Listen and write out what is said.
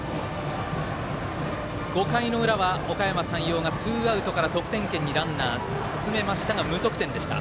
５回の裏は、おかやま山陽がツーアウトから得点圏にランナーを進めましたが、無得点でした。